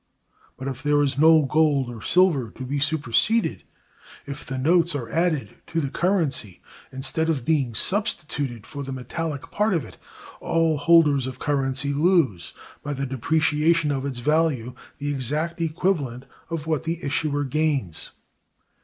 But, if there is no gold or silver to be superseded—if the notes are added to the currency, instead of being substituted for the metallic part of it—all holders of currency lose, by the depreciation of its value, the exact equivalent of what the issuer gains.